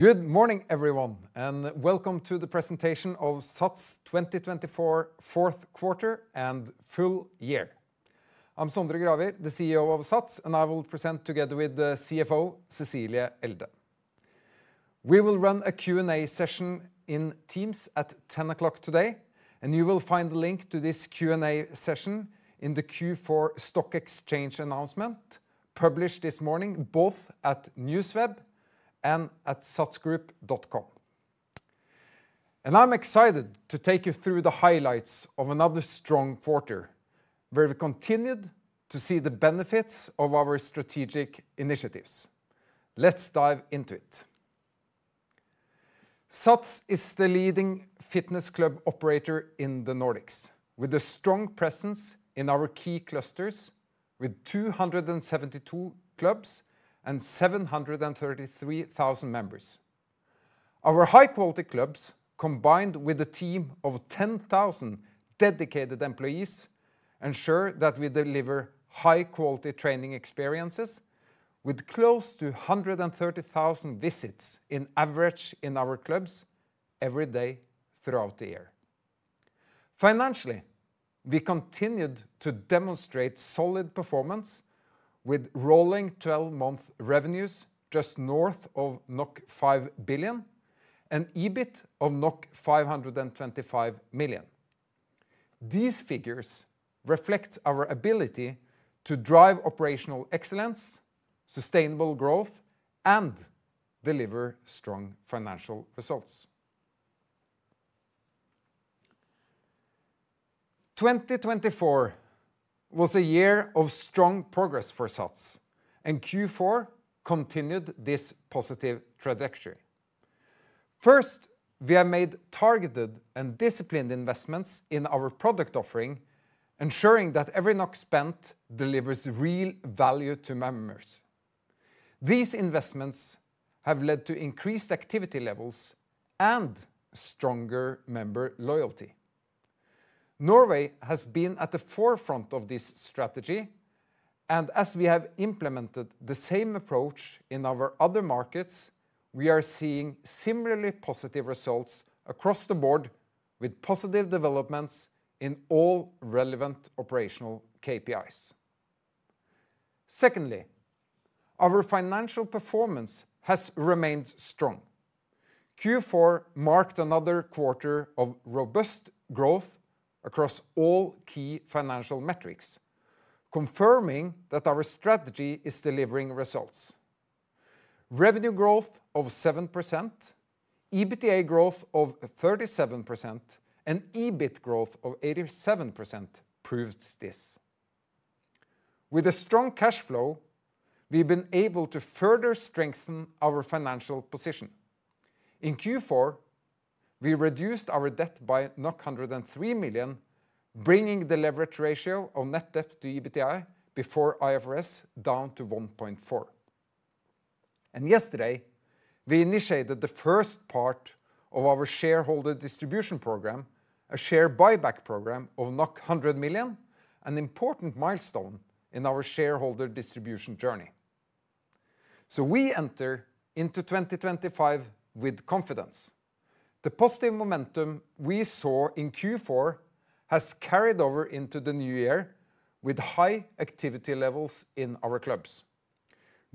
Good morning, everyone, and Welcome to the Presentation of SATS 2024, Fourth Quarter and Full Year. I'm Sondre Gravir, the CEO of SATS, and I will present together with the CFO, Cecilie Elde. We will run a Q&A session in Teams at 10:00 A.M. today, and you will find the link to this Q&A session in the Q4 Stock Exchange announcement published this morning, both at NewsWeb and at SATSgroup.com. And I'm excited to take you through the highlights of another strong quarter, where we continued to see the benefits of our strategic initiatives. Let's dive into it. SATS is the leading fitness club operator in the Nordics, with a strong presence in our key clusters, with 272 clubs and 733,000 members. Our high-quality clubs, combined with a team of 10,000 dedicated employees, ensure that we deliver high-quality training experiences, with close to 130,000 visits on average in our clubs every day throughout the year. Financially, we continued to demonstrate solid performance, with rolling 12-month revenues just north of 5 billion and EBIT of 525 million. These figures reflect our ability to drive operational excellence, sustainable growth, and deliver strong financial results. 2024 was a year of strong progress for SATS, and Q4 continued this positive trajectory. First, we have made targeted and disciplined investments in our product offering, ensuring that every NOK spent delivers real value to members. These investments have led to increased activity levels and stronger member loyalty. Norway has been at the forefront of this strategy, and as we have implemented the same approach in our other markets, we are seeing similarly positive results across the board, with positive developments in all relevant operational KPIs. Secondly, our financial performance has remained strong. Q4 marked another quarter of robust growth across all key financial metrics, confirming that our strategy is delivering results. Revenue growth of 7%, EBITDA growth of 37%, and EBIT growth of 87% proved this. With a strong cash flow, we've been able to further strengthen our financial position. In Q4, we reduced our debt by 103 million, bringing the leverage ratio of net debt to EBITDA before IFRS down to 1.4. And yesterday, we initiated the first part of our shareholder distribution program, a share buyback program of 100 million, an important milestone in our shareholder distribution journey. We enter into 2025 with confidence. The positive momentum we saw in Q4 has carried over into the new year with high activity levels in our clubs.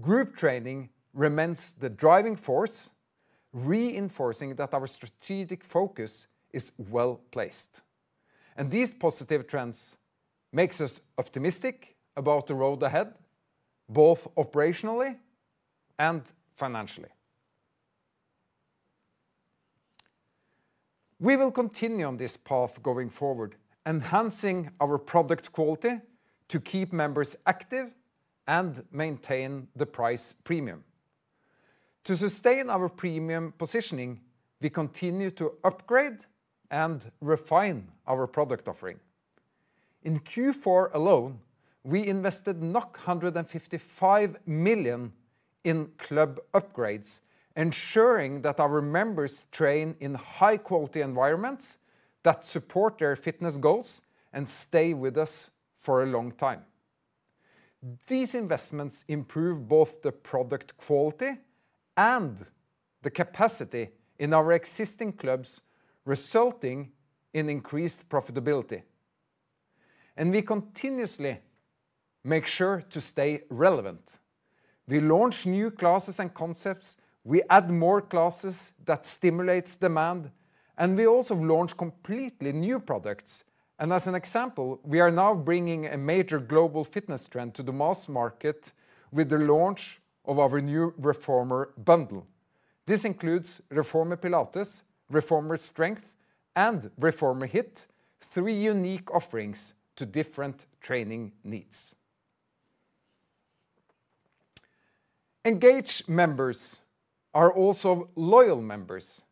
Group training remains the driving force, reinforcing that our strategic focus is well placed. These positive trends make us optimistic about the road ahead, both operationally and financially. We will continue on this path going forward, enhancing our product quality to keep members active and maintain the price premium. To sustain our premium positioning, we continue to upgrade and refine our product offering. In Q4 alone, we invested 155 million in club upgrades, ensuring that our members train in high-quality environments that support their fitness goals and stay with us for a long time. These investments improve both the product quality and the capacity in our existing clubs, resulting in increased profitability. We continuously make sure to stay relevant. We launch new classes and concepts, we add more classes that stimulate demand, and we also launch completely new products. And as an example, we are now bringing a major global fitness trend to the mass market with the launch of our new reformer bundle. This includes reformer Pilates, reformer strength, and reformer HIIT, three unique offerings to different training needs. Engaged members are also loyal members,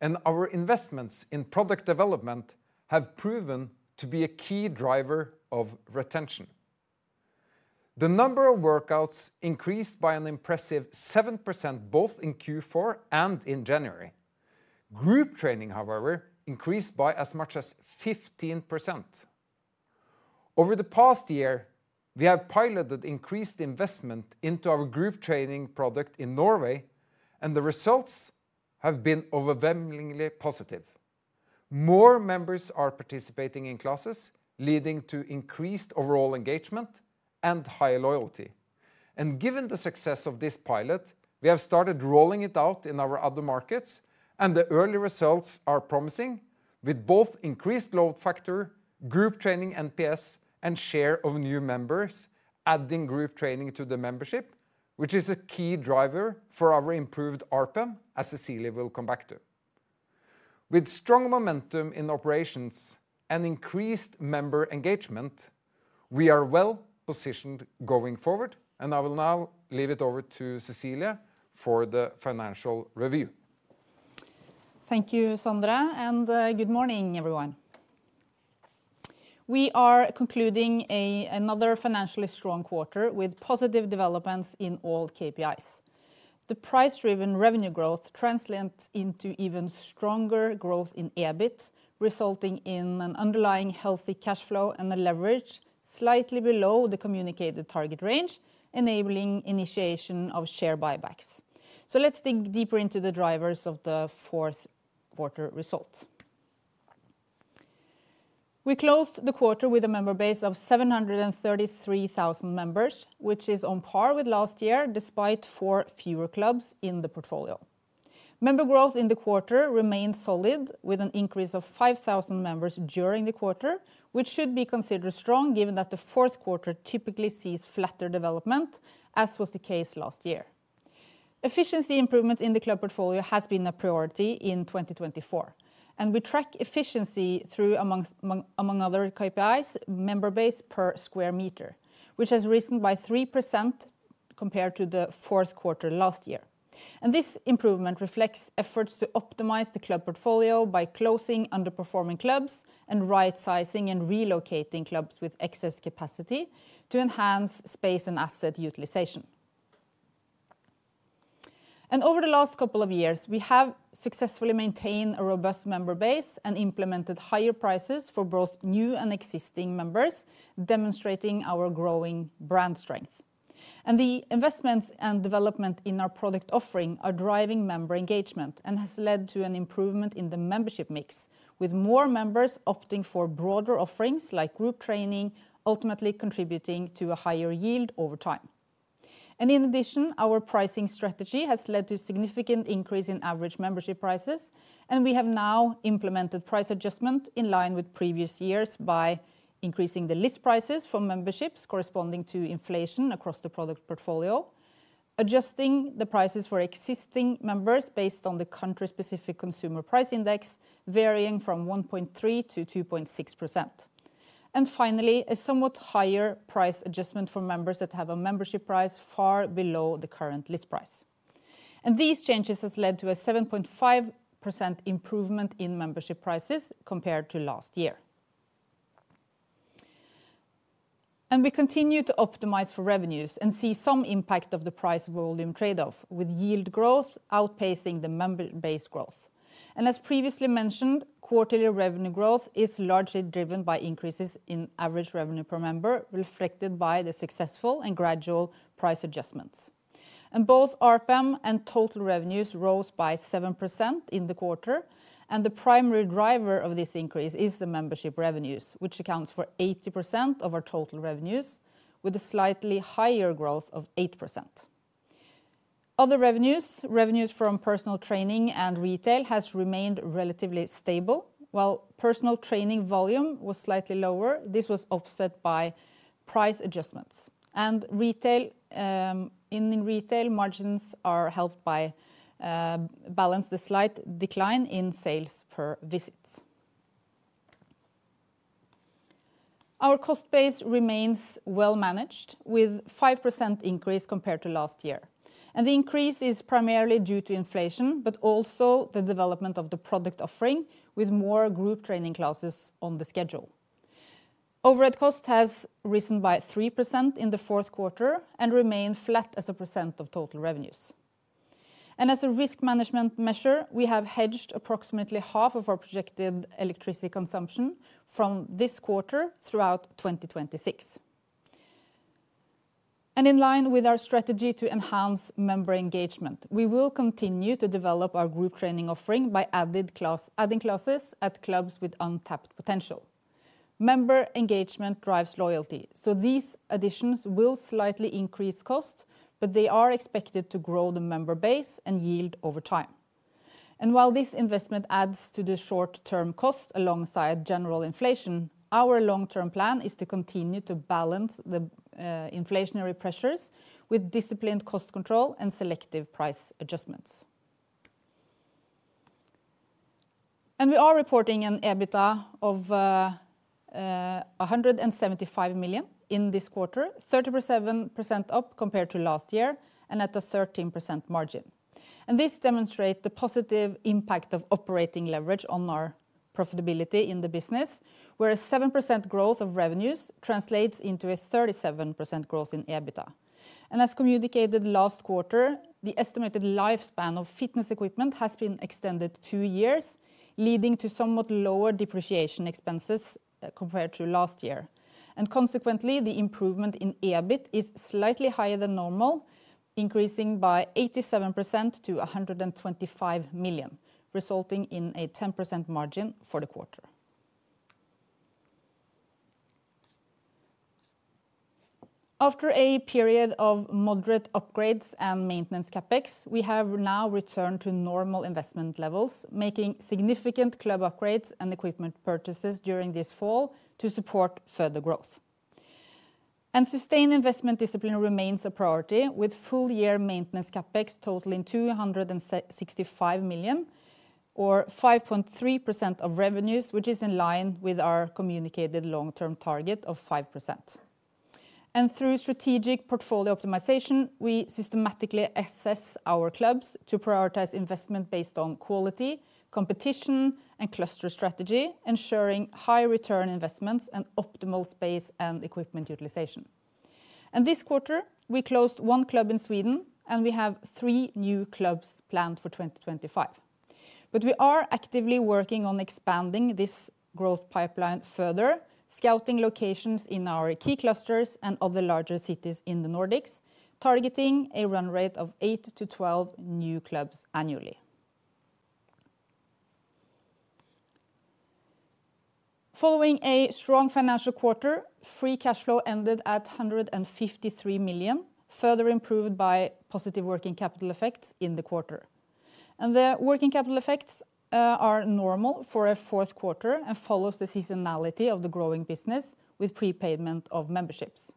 and our investments in product development have proven to be a key driver of retention. The number of workouts increased by an impressive 7% both in Q4 and in January. Group training, however, increased by as much as 15%. Over the past year, we have piloted increased investment into our group training product in Norway, and the results have been overwhelmingly positive. More members are participating in classes, leading to increased overall engagement and higher loyalty. Given the success of this pilot, we have started rolling it out in our other markets, and the early results are promising, with both increased load factor, group training NPS, and share of new members adding group training to the membership, which is a key driver for our improved ARPM, as Cecilie will come bac k to. With strong momentum in operations and increased member engagement, we are well positioned going forward, and I will now leave it over to Cecilie for the financial review. Thank you, Sondre, and good morning, everyone. We are concluding another financially strong quarter with positive developments in all KPIs. The price-driven revenue growth translates into even stronger growth in EBIT, resulting in an underlying healthy cash flow and a leverage slightly below the communicated target range, enabling initiation of share buybacks. So let's dig deeper into the drivers of the fourth quarter result. We closed the quarter with a member base of 733,000 members, which is on par with last year, despite four fewer clubs in the portfolio. Member growth in the quarter remained solid, with an increase of 5,000 members during the quarter, which should be considered strong given that the fourth quarter typically sees flatter development, as was the case last year. Efficiency improvements in the club portfolio have been a priority in 2024, and we track efficiency through, among other KPIs, member base per square meter, which has risen by 3% compared to the fourth quarter last year. This improvement reflects efforts to optimize the club portfolio by closing underperforming clubs and right-sizing and relocating clubs with excess capacity to enhance space and asset utilization. Over the last couple of years, we have successfully maintained a robust member base and implemented higher prices for both new and existing members, demonstrating our growing brand strength. The investments and development in our product offering are driving member engagement and have led to an improvement in the membership mix, with more members opting for broader offerings like group training, ultimately contributing to a higher yield over time. In addition, our pricing strategy has led to a significant increase in average membership prices, and we have now implemented price adjustment in line with previous years by increasing the list prices for memberships corresponding to inflation across the product portfolio, adjusting the prices for existing members based on the country-specific consumer price index, varying from 1.3% - 2.6%. Finally, a somewhat higher price adjustment for members that have a membership price far below the current list price. These changes have led to a 7.5% improvement in membership prices compared to last year. We continue to optimize for revenues and see some impact of the price volume trade-off, with yield growth outpacing the member base growth. As previously mentioned, quarterly revenue growth is largely driven by increases in average revenue per member, reflected by the successful and gradual price adjustments. Both ARPM and total revenues rose by 7% in the quarter, and the primary driver of this increase is the membership revenues, which accounts for 80% of our total revenues, with a slightly higher growth of 8%. Other revenues, revenues from personal training and retail, have remained relatively stable. While personal training volume was slightly lower, this was offset by price adjustments. In retail, margins are helped by balancing the slight decline in sales per visit. Our cost base remains well managed, with a 5% increase compared to last year. The increase is primarily due to inflation, but also the development of the product offering, with more group training classes on the schedule. Overhead cost has risen by 3% in the fourth quarter and remained flat as a percent of total revenues. As a risk management measure, we have hedged approximately half of our projected electricity consumption from this quarter throughout 2026. In line with our strategy to enhance member engagement, we will continue to develop our group training offering by adding classes at clubs with untapped potential. Member engagement drives loyalty, so these additions will slightly increase costs, but they are expected to grow the member base and yield over time. While this investment adds to the short-term costs alongside general inflation, our long-term plan is to continue to balance the inflationary pressures with disciplined cost control and selective price adjustments. We are reporting an EBITDA of 175 million in this quarter, 37% up compared to last year, and at a 13% margin. This demonstrates the positive impact of operating leverage on our profitability in the business, where a 7% growth of revenues translates into a 37% growth in EBITDA. As communicated last quarter, the estimated lifespan of fitness equipment has been extended two years, leading to somewhat lower depreciation expenses compared to last year. Consequently, the improvement in EBIT is slightly higher than normal, increasing by 87% to 125 million, resulting in a 10% margin for the quarter. After a period of moderate upgrades and maintenance CapEx, we have now returned to normal investment levels, making significant club upgrades and equipment purchases during this fall to support further growth. Sustained investment discipline remains a priority, with full-year maintenance CapEx totaling 265 million, or 5.3% of revenues, which is in line with our communicated long-term target of 5%. Through strategic portfolio optimization, we systematically assess our clubs to prioritize investment based on quality, competition, and cluster strategy, ensuring high-return investments and optimal space and equipment utilization. This quarter, we closed one club in Sweden, and we have three new clubs planned for 2025. We are actively working on expanding this growth pipeline further, scouting locations in our key clusters and other larger cities in the Nordics, targeting a run rate of eight to 12 new clubs annually. Following a strong financial quarter, free cash flow ended at 153 million, further improved by positive working capital effects in the quarter. The working capital effects are normal for a fourth quarter and follow the seasonality of the growing business with prepayment of memberships.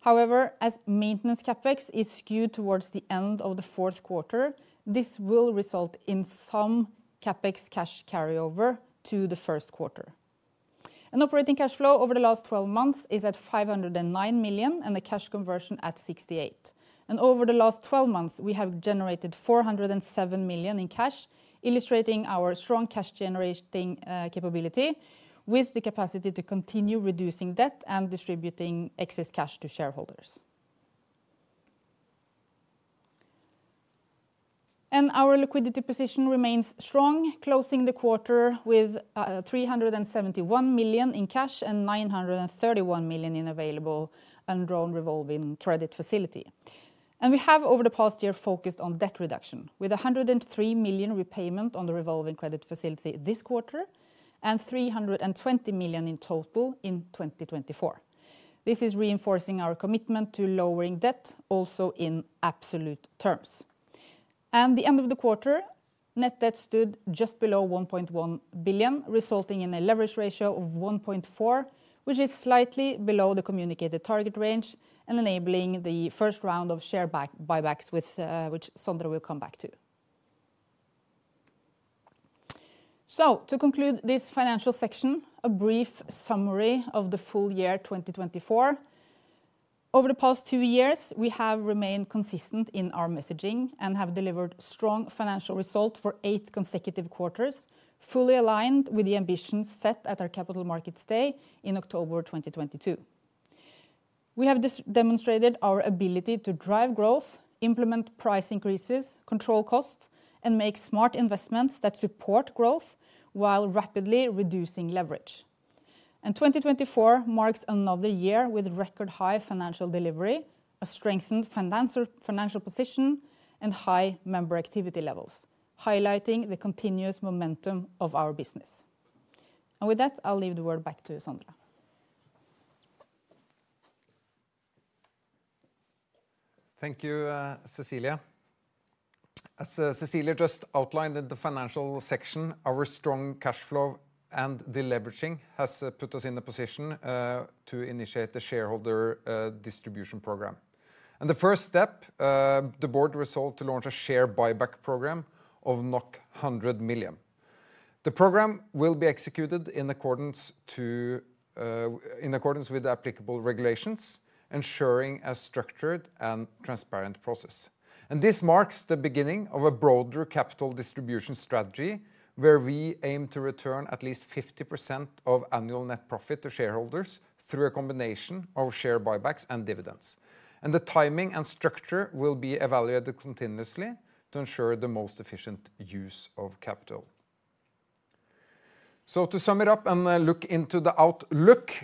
However, as maintenance CapEx is skewed towards the end of the fourth quarter, this will result in some CapEx cash carryover to the first quarter. Operating cash flow over the last 12 months is at 509 million and the cash conversion at 68%. Over the last 12 months, we have generated 407 million in cash, illustrating our strong cash generating capability with the capacity to continue reducing debt and distributing excess cash to shareholders. Our liquidity position remains strong, closing the quarter with 371 million in cash and 931 million in available and drawn revolving credit facility. We have, over the past year, focused on debt reduction, with 103 million repayment on the revolving credit facility this quarter and 320 million in total in 2024. This is reinforcing our commitment to lowering debt, also in absolute terms. At the end of the quarter, net debt stood just below 1.1 billion, resulting in a leverage ratio of 1.4, which is slightly below the communicated target range and enabling the first round of share buybacks, which Sondre will come back to. So, to conclude this financial section, a brief summary of the full year 2024. Over the past two years, we have remained consistent in our messaging and have delivered strong financial results for eight consecutive quarters, fully aligned with the ambitions set at our Capital Markets Day in October 2022. We have demonstrated our ability to drive growth, implement price increases, control costs, and make smart investments that support growth while rapidly reducing leverage. 2024 marks another year with record high financial delivery, a strengthened financial position, and high member activity levels, highlighting the continuous momentum of our business. With that, I'll leave the word back to Sondre. Thank you, Cecilie. As Cecilie just outlined in the financial section, our strong cash flow and the leveraging has put us in a position to initiate the shareholder distribution program, and the first step, the board resolved to launch a share buyback program of 100 million. The program will be executed in accordance with the applicable regulations, ensuring a structured and transparent process, and this marks the beginning of a broader capital distribution strategy, where we aim to return at least 50% of annual net profit to shareholders through a combination of share buybacks and dividends, and the timing and structure will be evaluated continuously to ensure the most efficient use of capital. So, to sum it up and look into the outlook,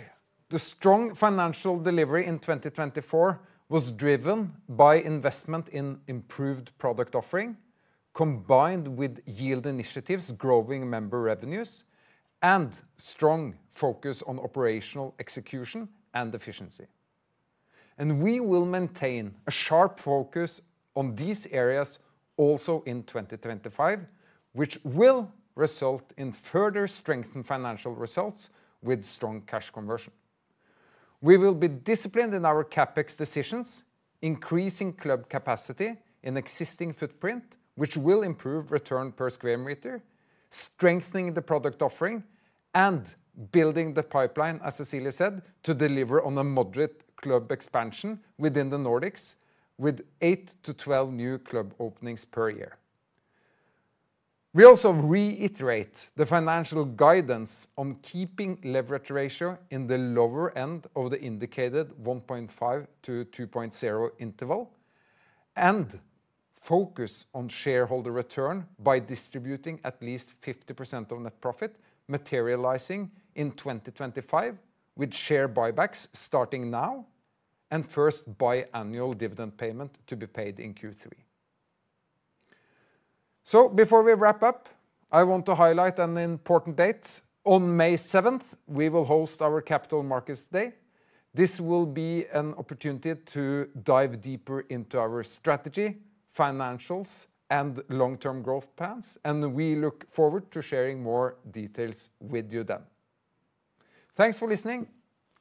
the strong financial delivery in 2024 was driven by investment in improved product offering, combined with yield initiatives, growing member revenues, and strong focus on operational execution and efficiency. And we will maintain a sharp focus on these areas also in 2025, which will result in further strengthened financial results with strong cash conversion. We will be disciplined in our CapEx decisions, increasing club capacity in existing footprint, which will improve return per square meter, strengthening the product offering, and building the pipeline, as Cecilie said, to deliver on a moderate club expansion within the Nordics, with eight to 12 new club openings per year. We also reiterate the financial guidance on keeping leverage ratio in the lower end of the indicated 1.5-2.0 interval and focus on shareholder return by distributing at least 50% of net profit, materializing in 2025, with share buybacks starting now and first biannual dividend payment to be paid in Q3. So, before we wrap up, I want to highlight an important date. On May 7th, we will host our Capital Markets Day. This will be an opportunity to dive deeper into our strategy, financials, and long-term growth plans, and we look forward to sharing more details with you then. Thanks for listening.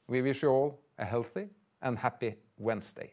We wish you all a healthy and happy Wednesday.